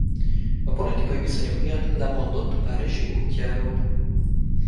A politikai viszonyok miatt lemondott párizsi útjáról.